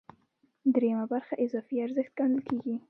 درېیمه برخه اضافي ارزښت ګڼل کېږي